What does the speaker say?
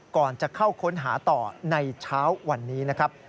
ก่อนจะเข้าค้นหาต่อในเช้าวันนี้นะครับ